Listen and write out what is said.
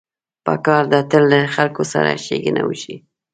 پکار ده تل له خلکو سره ښېګڼه وشي.